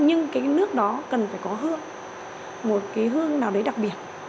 nhưng cái nước đó cần phải có hương một cái hương nào đấy đặc biệt